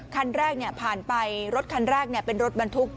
คันแรกเนี่ยผ่านไปรถคันแรกเนี่ยเป็นรถบรรทุก